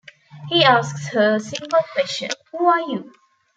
He asks her a simple question: Who are you?